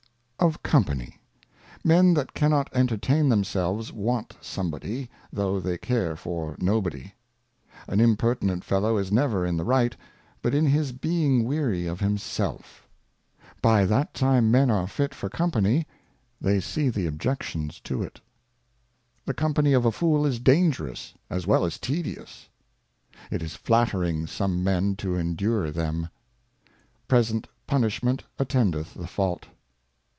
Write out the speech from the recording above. Of Company. MEN that cannot entertain themselves want somebody, though they care for nobody. An impertinent Fellow is never in the right, but in his being weary of himself. By Moral Thoughts and Reflections. 243 By that time Men are fit for Company, they see the Objec tions to it. The Company of a Fool is dangerous as well as tedious. It is flattering some Men to endure them. Present Punishment attendeth the Fault.